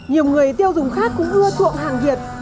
nhiều người tiêu dùng khác cũng ưa chuộng hàng việt